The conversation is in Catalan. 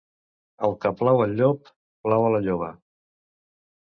El que plau al llop, plau a la lloba.